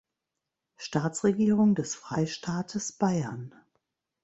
Staatsregierung des Freistaates Bayern.